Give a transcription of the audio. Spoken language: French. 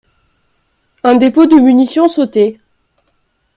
Un dépôt de munitions sautait.